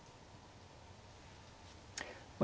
まあ